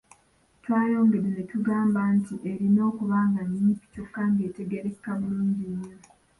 Twayongedde ne tugamba nti erina okuba nga nnyimpi kyokka ng'etegeerekeka bulungi nnyo.